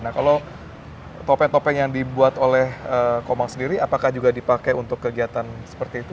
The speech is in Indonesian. nah kalau topeng topeng yang dibuat oleh komang sendiri apakah juga dipakai untuk kegiatan seperti itu